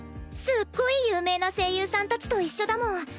すっごい有名な声優さんたちと一緒だもん。